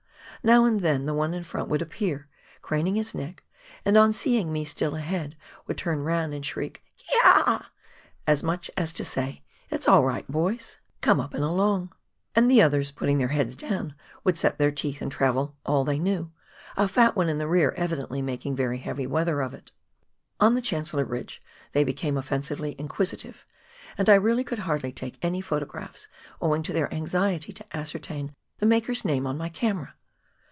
Now and then the one in front would appear, craning his neck, and on seeing me still ahead, would turn round and shriek K e e a," as much as to say, " It's all right, boys, come COOK RIVER — FOX GLACIER. Ill along." And the others, putting their heads down, would set their teeth and travel " all they knew," a fat one in the rear evidently making very heavy weather of it ! On the Chancellor Ridge they became offensively inquisitive, and I really could hardly take any photographs, owing to their anxiety to ascertain the maker's name on my camera.